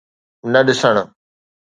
نه ڏسڻ.